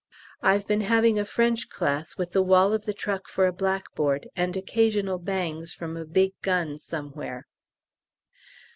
I've been having a French class, with the wall of the truck for a blackboard, and occasional bangs from a big gun somewhere.